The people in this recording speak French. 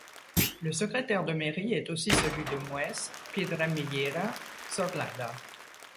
Le secrétaire de mairie est aussi celui de Mués, Piedramillera, Sorlada.